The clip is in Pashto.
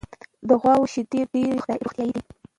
د غواوو شیدې ډېرې روغتیایي دي.